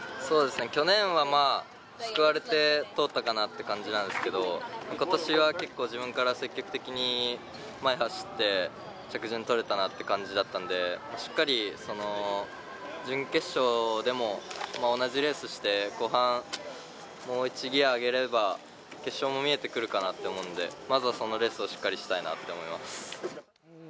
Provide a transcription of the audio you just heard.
去年は救われて通ったかなという感じなんですけど今年は結構自分から積極的に前走って、着順取れたなっていう感じだったんでしっかり準決勝でも同じレースをして後半、もう１ギア上げれば決勝も見えてくると思うんでまずはそのレースしっかりとしたいと思います。